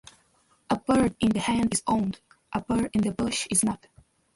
A bird in the hand is owned; a bird in the bush is not.